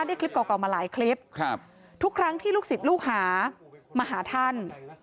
คลิปเก่ามาหลายคลิปทุกครั้งที่ลูกศิษย์ลูกหามาหาท่าน